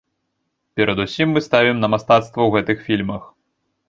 Перадусім мы ставім на мастацтва ў гэтых фільмах.